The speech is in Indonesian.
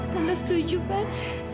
tante setuju kan